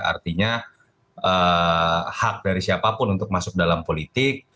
artinya hak dari siapapun untuk masuk dalam politik